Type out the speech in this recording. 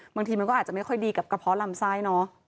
บางทีมันก็อาจจะไม่ค่อยดีกับกระเพาะลำไส้เนอะ